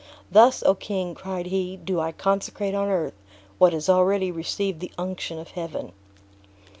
"Thus, O King!" cried he, "do I consecrate on earth, what has already received the unction of Heaven!"